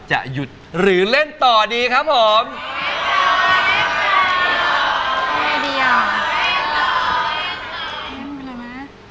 หรือเล่นต่อดีครับผม